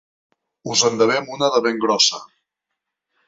Us en devem una de ben grossa!